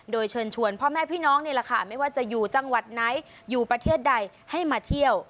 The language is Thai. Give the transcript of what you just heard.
โดยเชิญชวนพ่อแม่พี่น้องนี่แหละค่ะไม่ว่าจะอยู่จังหวัดไหนอยู่ประเทศใดให้มาเที่ยว